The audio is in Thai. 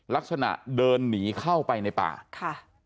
ลักษณะเดินหนีเข้าไปในป่าค่ะ